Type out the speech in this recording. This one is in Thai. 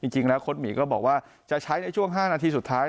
จริงแล้วโค้ดหมีก็บอกว่าจะใช้ในช่วง๕นาทีสุดท้าย